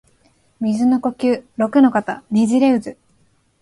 水の呼吸陸ノ型ねじれ渦（ろくのかたねじれうず）